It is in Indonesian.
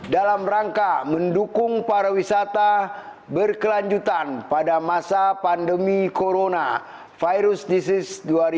dalam rangka mendukung pariwisata berkelanjutan pada masa pandemi corona virus disis dua ribu sembilan belas